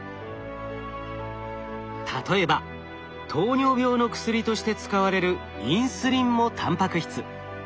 例えば糖尿病の薬として使われるインスリンもタンパク質。